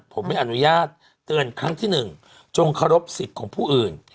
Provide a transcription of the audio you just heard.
ผมไม่อนุญาตเตือนครั้งที่๑จงเคารพสิทธิ์ของผู้อื่น